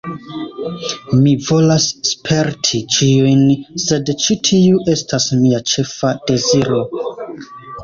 Mi volas sperti ĉiujn, sed ĉi tiu estas mia ĉefa deziro